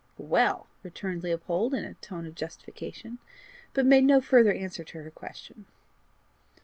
"Well!" returned Leopold, in a tone of justification, but made no further answer to her question.